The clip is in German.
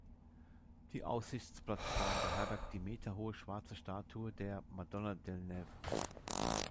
Die Aussichtsplattform beherbergt die meterhohe schwarze Statue der "Madonna delle Neve".